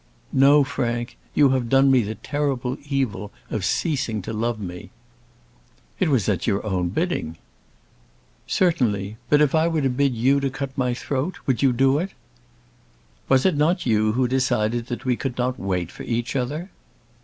"No, Frank. You have done me the terrible evil of ceasing to love me." "It was at your own bidding." "Certainly! but if I were to bid you to cut my throat, would you do it?" "Was it not you who decided that we could not wait for each other?"